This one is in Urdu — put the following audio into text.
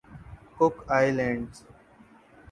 Cook Islands